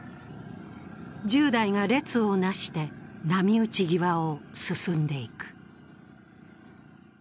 １０台が列をなして波打ち際を進んでいく。